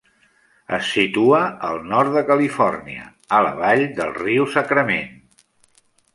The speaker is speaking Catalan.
Es situa al nord de Califòrnia, a la vall del riu Sacramento.